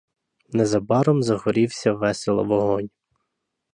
Незабаром загорівся весело вогонь.